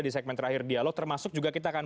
di segmen terakhir dialog termasuk juga kita akan